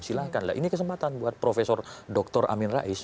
silahkanlah ini kesempatan buat profesor dr amin rais